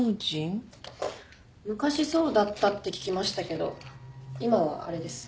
昔そうだったって聞きましたけど今はあれです。